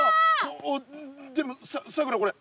でもさくらこれ。